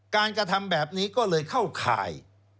กระทำแบบนี้ก็เลยเข้าข่าย